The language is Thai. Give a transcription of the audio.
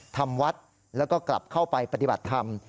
ทำวัดแล้วก็กลับเข้าไปปฏิบัติธรรม